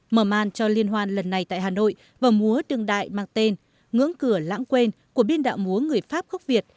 mở màn cho liên hoan lần này tại hà nội và múa đương đại mang tên ngưỡng cửa lãng quên của biên đạo múa người pháp gốc việt